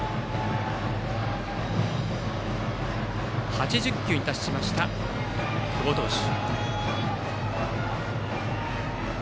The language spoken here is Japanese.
８０球に達しました、久保投手。